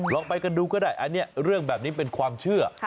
ไปกันดูก็ได้อันนี้เรื่องแบบนี้เป็นความเชื่อ